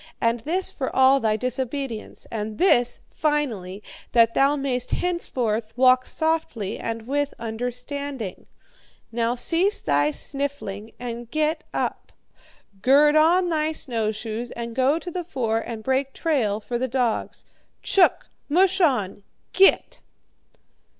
And this for all thy disobedience! And this, finally, that thou mayest henceforth walk softly and with understanding! Now cease thy sniffling and get up! Gird on thy snowshoes and go to the fore and break trail for the dogs. CHOOK! MUSH ON! Git!'"